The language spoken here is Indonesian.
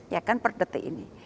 ya kan per detik ini